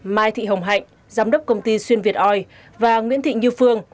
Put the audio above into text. mai thị hồng hạnh giám đốc công ty xuyên việt oi và nguyễn thị như phương